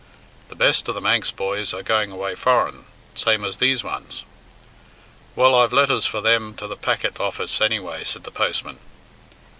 The best of the Manx boys are going away foreign, same as these ones." "Well, I've letters for them to the packet office anyway," said the postman.